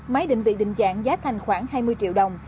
máy định vị định dạng giá thành khoảng hai mươi triệu đồng